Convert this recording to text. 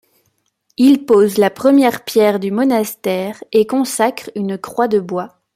Il pose la première pierre du monastère et consacre une croix de bois.